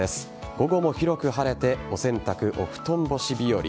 午後も広く晴れてお洗濯、お布団干し日和。